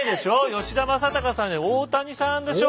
吉田正尚さんじゃ大谷さんでしょう。